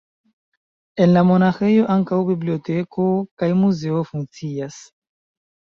En la monaĥejo ankaŭ biblioteko kaj muzeo funkcias.